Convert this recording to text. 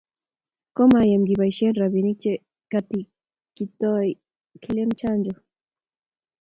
ko mayem kiboisien robinik che katikiotoi kealen chanjo.